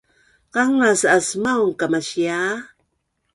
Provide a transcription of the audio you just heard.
Qanglas aas maun kamasia